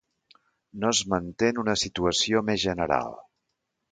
No es manté en una situació més general.